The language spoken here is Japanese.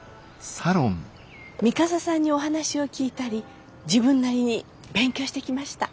三笠さんにお話を聞いたり自分なりに勉強してきました。